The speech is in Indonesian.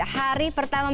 hari pertama masuk